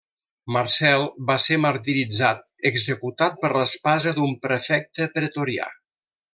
Marcel va ser martiritzat, executat per l'espasa d'un prefecte pretorià.